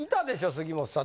杉本さん